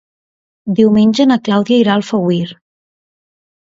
Diumenge na Clàudia irà a Alfauir.